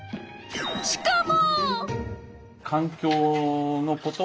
しかも！